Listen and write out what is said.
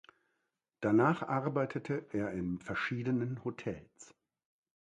Danach arbeitete er in verschiedenen Hotels.